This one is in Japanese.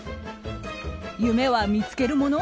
夢は見つけるもの？